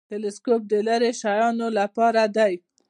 تلسکوپ د لیرې شیانو لپاره دی